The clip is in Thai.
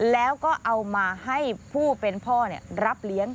แล้วก็เอามาให้ผู้เป็นพ่อรับเลี้ยง